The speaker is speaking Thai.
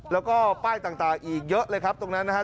แล้วก็ป้ายต่างอีกเยอะเลยครับตรงนั้นนะครับ